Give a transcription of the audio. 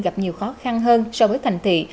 gặp nhiều khó khăn hơn so với thành thị